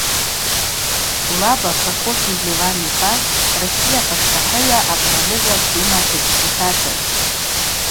Лаба Прокофий Леван йпа Россия паштахӏыгӏва а-Къральыгӏва дума дадепутатын.